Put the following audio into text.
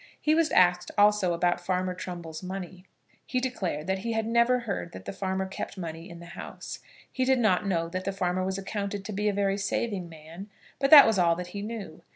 He was asked also about Farmer Trumbull's money. He declared that he had never heard that the farmer kept money in the house. He did know that the farmer was accounted to be a very saving man, but that was all that he knew.